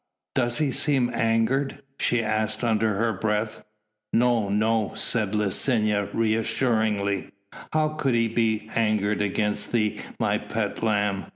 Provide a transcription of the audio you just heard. "Doth he seem angered?" she asked under her breath. "No, no," said Licinia reassuringly, "how could he be angered against thee, my pet lamb?